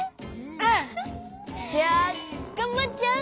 うん！じゃあがんばっちゃう？